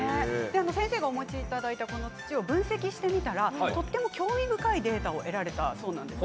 先生がお持ちいただいた土を分析してみたら、とても興味深いデータを得られたそうです。